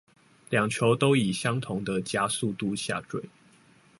兩球都以相同的加速度下墜